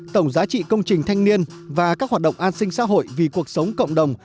tổng giá trị công trình thanh niên và các hoạt động an sinh xã hội vì cuộc sống cộng đồng